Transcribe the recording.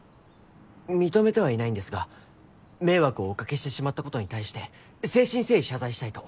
認めてはいないんですが迷惑をおかけしてしまったことに対して誠心誠意謝罪したいと。